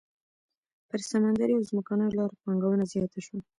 پر سمندري او ځمکنيو لارو پانګونه زیاته شوه.